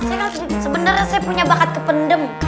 saya kan sebenarnya saya punya bakat kependem